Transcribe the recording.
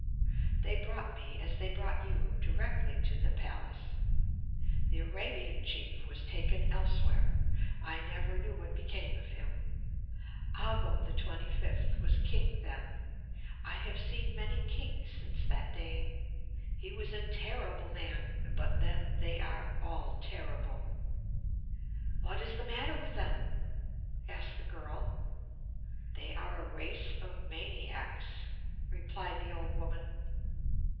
"They brought me, as they brought you, directly to the palace. The Arabian chief was taken elsewhere. I never knew what became of him. Ago XXV was king then. I have seen many kings since that day. He was a terrible man; but then, they are all terrible." "What is the matter with them?" asked the girl. "They are a race of maniacs," replied the old woman.